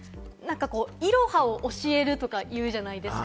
イロハを教えるとか言うじゃないですか？